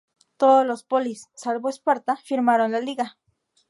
Todas las polis, salvo Esparta, firmaron la liga.